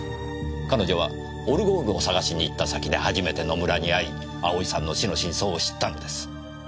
彼女はオルゴールを捜しに行った先で初めて野村に会い葵さんの死の真相を知ったのです。